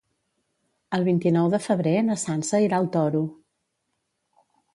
El vint-i-nou de febrer na Sança irà al Toro.